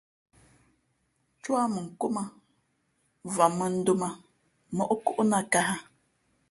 Tú á mʉnkóm ā, vam mᾱndōm ā móʼ kóʼnāt kāhā ?